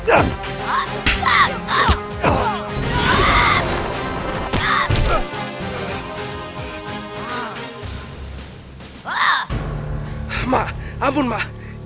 ampun ampun ampun